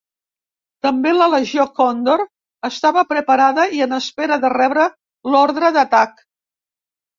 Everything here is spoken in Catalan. També la Legió Còndor estava preparada i en espera de rebre l'ordre d'atac.